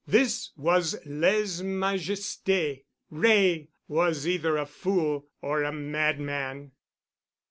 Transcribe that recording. This was lèse majesté. Wray was either a fool or a madman.